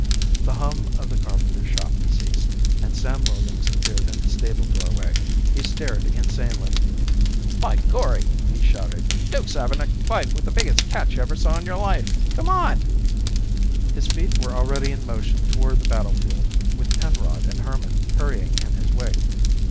The hum of the carpenter shop ceased, and Sam Williams appeared in the stable doorway. He stared insanely. "My gorry!" he shouted. "Duke's havin' a fight with the biggest cat you ever saw in your life! C'mon!" His feet were already in motion toward the battlefield, with Penrod and Herman hurrying in his wake.